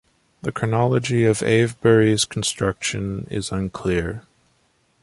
The chronology of Avebury's construction is unclear.